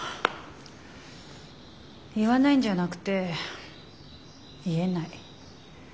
言わないんじゃなくて言えない。